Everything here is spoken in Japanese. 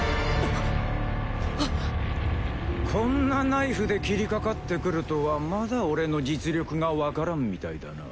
こんなナイフで斬りかかってくるとはまだ俺の実力がわからんみたいだな。